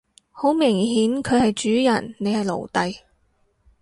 好明顯佢係主人你係奴隸